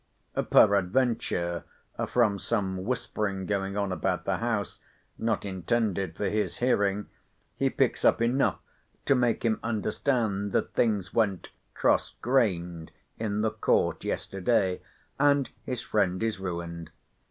Peradventure from some whispering, going on about the house, not intended for his hearing, he picks up enough to make him understand, that things went cross grained in the Court yesterday, and his friend is ruined.